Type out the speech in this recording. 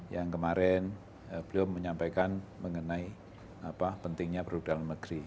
yang kemarin beliau menyampaikan mengenai pentingnya produk dalam negeri